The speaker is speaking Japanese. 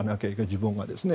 自分がですね。